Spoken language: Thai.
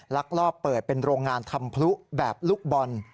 ลักลอบเปิดเป็นโรงงานทำพลุแบบลูกบอล